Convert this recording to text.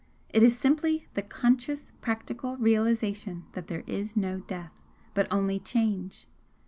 It is simply the conscious PRACTICAL realisation that there is no Death, but only Change.